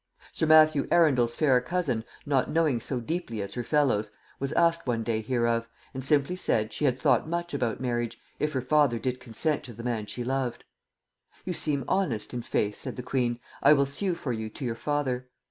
Sir Matthew Arundel's fair cousin, not knowing so deeply as her fellows, was asked one day hereof, and simply said, she had thought much about marriage, if her father did consent to the man she loved. 'You seem honest, i'faith,' said the queen; 'I will sue for you to your father.'...